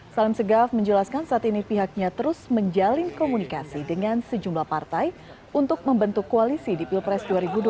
salim segaf menjelaskan saat ini pihaknya terus menjalin komunikasi dengan sejumlah partai untuk membentuk koalisi di pilpres dua ribu dua puluh